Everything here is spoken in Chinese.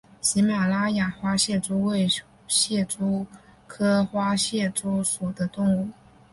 喜马拉雅花蟹蛛为蟹蛛科花蟹蛛属的动物。